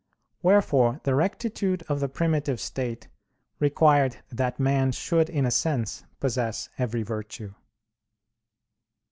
Wherefore the rectitude of the primitive state required that man should in a sense possess every virtue.